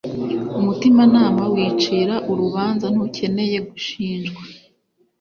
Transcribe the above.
umutimanama wicira urubanza ntukeneye gushinjwa